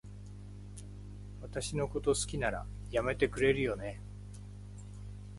私のこと好きなら、やめてくれるよね？